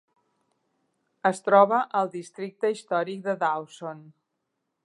Es troba al districte històric de Dawson.